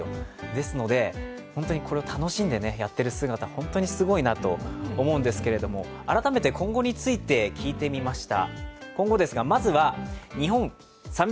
ですので、本当にこれを楽しんでやってる姿、本当にすごいなと思うんですけれども改めて今後について聞いてみました。